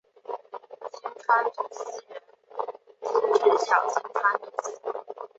金川土司原仅指小金川土司。